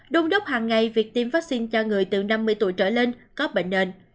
đôn đốc hàng ngày việc tiêm vaccine cho người từ năm mươi tuổi trở lên có bệnh nền